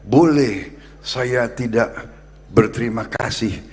boleh saya tidak berterima kasih